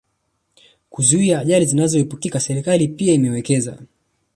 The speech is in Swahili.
kuzuia ajali zinazoepukika Serikali pia imewekeza